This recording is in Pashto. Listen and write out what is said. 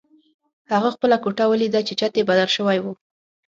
هغه خپله کوټه ولیده چې چت یې بدل شوی و